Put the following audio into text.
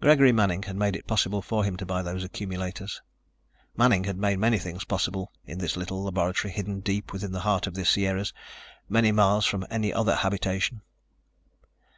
Gregory Manning had made it possible for him to buy those accumulators. Manning had made many things possible in this little laboratory hidden deep within the heart of the Sierras, many miles from any other habitation.